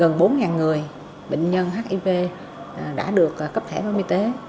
có khoảng gần bốn người bệnh nhân hiv đã được cấp thẻ bảo hiểm y tế